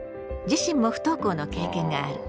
自身も不登校の経験がある。